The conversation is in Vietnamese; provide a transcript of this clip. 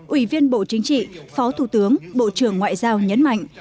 ủy viên bộ chính trị phó thủ tướng bộ trưởng ngoại giao nhấn mạnh